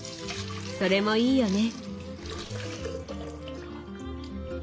それもいいよね。